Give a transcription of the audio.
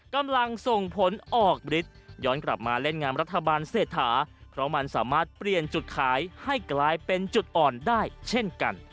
กำลังส่งผลออกฤทธิ์ย้อนกลับมาเล่นงานรัฐบาลเศรษฐาเพราะมันสามารถเปลี่ยนจุดขายให้กลายเป็นจุดอ่อนได้เช่นกัน